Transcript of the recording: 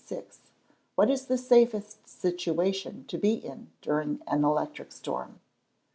_What is the safest situation to be in during an electric storm?